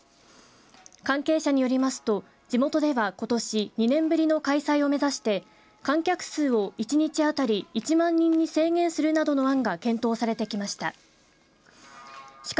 関係者によりますと地元では、ことし２年ぶりの開催を目指して観客数を１日当たり１万人に制限するなどの案が検討されてきました。